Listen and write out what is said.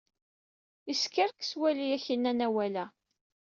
Iskarkes walli ak-innan awal-a.